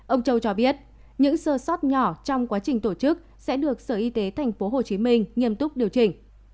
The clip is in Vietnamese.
ông châu cho biết những sơ sót nhỏ trong quá trình tổ chức sẽ được sở y tế tp hcm nghiêm túc điều chỉnh